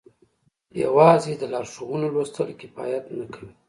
يوازې د لارښوونو لوستل کفايت نه کوي.